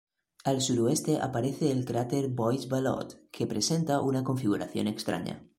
Al suroeste aparece el cráter Buys-Ballot, que presenta una configuración extraña.